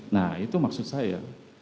nah itu maksud saya